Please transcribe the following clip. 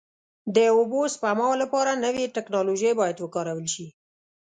د اوبو سپما لپاره نوې ټکنالوژۍ باید وکارول شي.